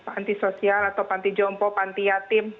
panti sosial atau panti jompo panti yatim